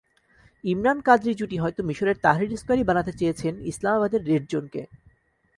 ইমরান-কাদরি জুটি হয়তো মিসরের তাহরির স্কয়ারই বানাতে চেয়েছেন ইসলামাবাদের রেড জোনকে।